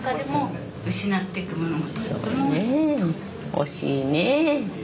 惜しいねえ。